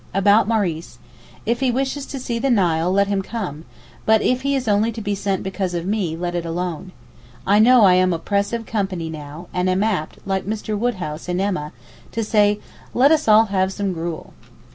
About Maurice. If he wishes to see the Nile let him come, but if he is only to be sent because of me, let it alone. I know I am oppressive company now, and am apt, like Mr. Wodehouse in 'Emma,' to say, 'Let us all have some gruel.